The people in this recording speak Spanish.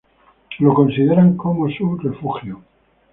Lo consideran como su refugio.